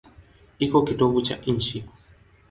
Iko kitovu cha nchi.